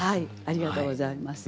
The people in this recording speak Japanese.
ありがとうございます。